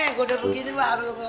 gue udah begini baru ngomong